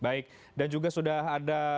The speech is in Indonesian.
baik dan juga sudah ada